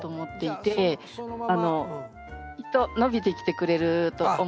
きっと伸びてきてくれると思うし。